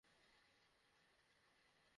দুই ইঞ্চি দূরত্বে ছিলাম শুধু!